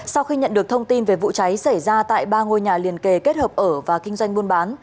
sau khi nhận được thông tin về vụ cháy xảy ra tại ba ngôi nhà liền kề kết hợp ở và kinh doanh buôn bán